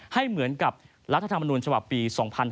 ให้เหมือนกับรัฐธรรมนุนฉบับปี๒๕๕๙